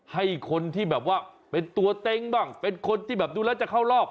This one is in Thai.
ให้คนที่แบบว่าเป็นตัวเต็งบ้างเป็นคนที่แบบดูแล้วจะเข้ารอบ